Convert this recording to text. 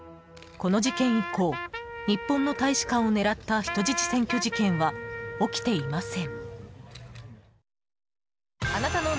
この事件以降日本の大使館を狙った人質占拠事件は起きていません。